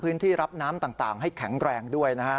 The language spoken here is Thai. พื้นที่รับน้ำต่างให้แข็งแรงด้วยนะฮะ